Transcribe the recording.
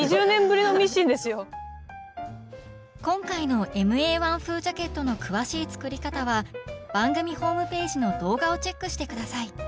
今回のＭＡ−１風ジャケットの詳しい作り方は番組ホームページの動画をチェックして下さい！